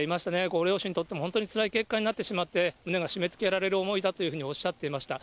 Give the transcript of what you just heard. ご両親にとっても本当につらい結果になってしまって、胸が締めつけられる思いだというふうにおっしゃっていました。